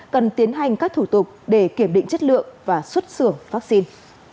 cần tiến hành các thủ tục để kiểm định chất lượng và xuất xưởng vaccine